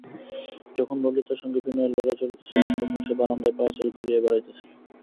যখন ললিতার সঙ্গে বিনয়ের লড়াই চলিতেছিল তখন সে বারান্দায় পায়চারি করিয়া বেড়াইতেছিল।